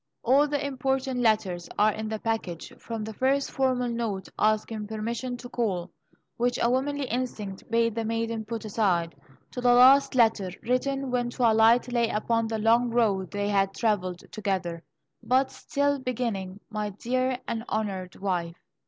All the important letters are in the package, from the first formal note asking permission to call, which a womanly instinct bade the maiden put aside, to the last letter, written when twilight lay upon the long road they had travelled together, but still beginning: "My Dear and Honoured Wife."